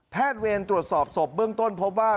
แพทย์เวียนตรวจสอบศพเบื้องต้นพบว่า